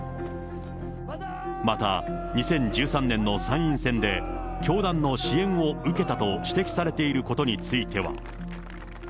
また、２０１３年の参院選で、教団の支援を受けたと指摘されていることについては。